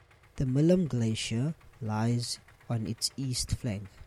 The Milam Glacier lies on its east flank.